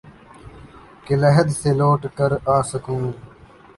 کہ لحد سے لوٹ کے آسکھوں